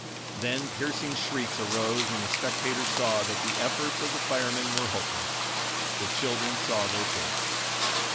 Then piercing shrieks arose when the spectators saw that the efforts of the firemen were hopeless. The children saw their fate.